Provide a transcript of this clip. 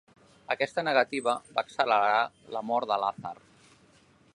Aquesta negativa va accelerar la mort de Lazar.